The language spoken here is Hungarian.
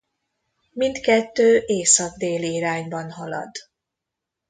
Mindkettő észak-déli irányban halad.